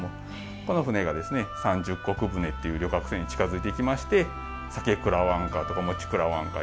この舟がですね三十石船っていう旅客船に近づいていきまして「酒くらわんか」とか「餅くらわんか」